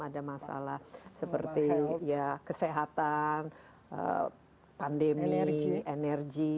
ada masalah seperti kesehatan pandemi energi